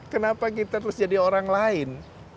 kenapa kita terus jadi orang lain